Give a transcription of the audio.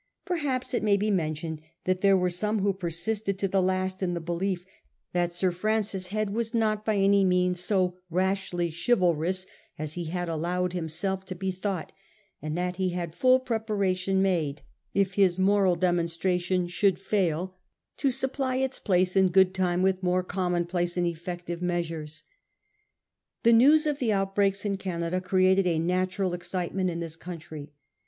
Perhaps it may be mentioned that there were some who persisted to the last in the belief that Sir Francis Head was not by any means so rashly chivalrous as he had allowed himself to be thought, and that he had full prepara tion made, if his moral demonstration should fail, to 1838. 'A MR. MACKENZIE.' 59 supply its place in good time with more common place and effective measures. The news of the outbreaks in Canada created a natural excitement in this country.